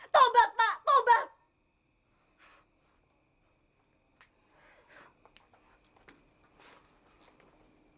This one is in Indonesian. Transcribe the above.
tolbak pak tolbak